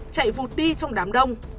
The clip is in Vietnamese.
chạy vụt đi trong đám đông